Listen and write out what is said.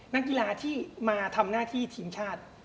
นักกีฬาที่มาทำหน้าที่ทีมชาติ